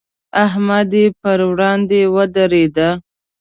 احمد یې پر وړاندې ودرېد.